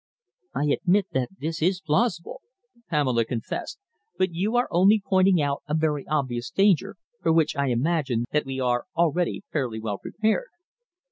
"I admit that this is plausible," Pamela confessed, "but you are only pointing out a very obvious danger, for which I imagine that we are already fairly well prepared."